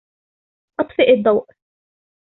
أطفئ الضوء.